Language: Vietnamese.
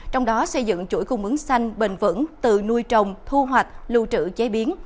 trong đó xây dựng chuỗi cung ứng xanh bền vững tự nuôi trồng thu hoạch lưu trữ chế biến